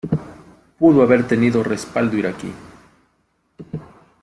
Pudo haber tenido respaldo iraquí.